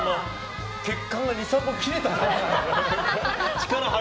血管が２３本切れた。